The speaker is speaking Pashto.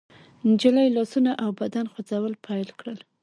نجلۍ لاسونه او بدن خوځول پيل کړل.